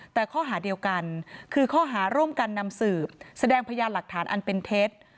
แต่ข้อหาเดียวกันคือข้อหาร่วมกันนำสืบแสดงพยานหลักฐานอันเป็นเท็จ